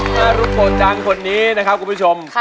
มารุควนดังคนนี้นะครับคุณผู้ชม